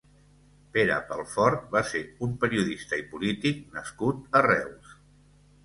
Pere Pelfort va ser un periodista i polític nascut a Reus.